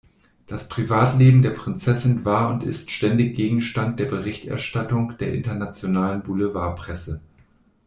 Das Privatleben der Prinzessin war und ist ständig Gegenstand der Berichterstattung der internationalen Boulevardpresse.